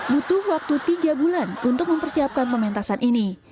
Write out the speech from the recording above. butuh waktu tiga bulan untuk mempersiapkan pementasan ini